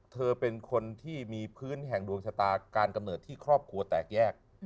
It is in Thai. เธอเป็นคนที่มีพื้นแห่งดวงชะตาการกำเนิดที่ครอบครัวแตกแยก